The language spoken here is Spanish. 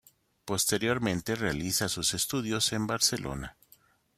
Posteriormente realiza sus estudios en Barcelona.